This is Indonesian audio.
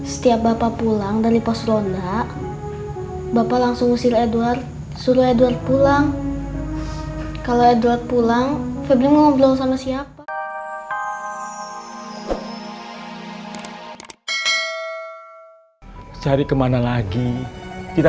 setiap bapak pulang dari pos ronda bapak langsung ngusir edward suruh edward pulang